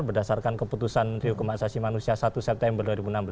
berdasarkan keputusan dihukum asasi manusia satu september dua ribu enam belas